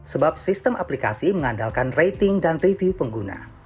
sebab sistem aplikasi mengandalkan rating dan review pengguna